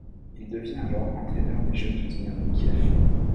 Il devient alors entraîneur des jeunes du Dynamo Kiev.